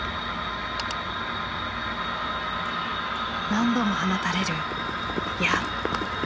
何度も放たれる矢。